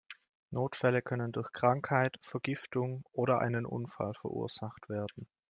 Notfälle können durch Krankheit, Vergiftung oder einen Unfall verursacht werden.